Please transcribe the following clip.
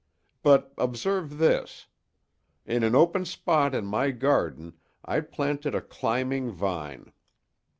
But observe this. In an open spot in my garden I planted a climbing vine.